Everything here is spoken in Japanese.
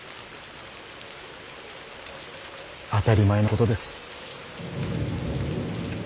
当たり前のことです。